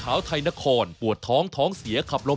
เพราะทุกการเดินทางของคุณจะมีแต่รอยยิ้ม